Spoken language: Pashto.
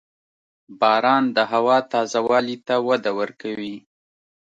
• باران د هوا تازه والي ته وده ورکوي.